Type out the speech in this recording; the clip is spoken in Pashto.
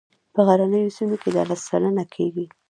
په غرنیو سیمو کې دا لس سلنه کیږي